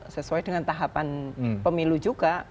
sesuai dengan tahapan pemilu juga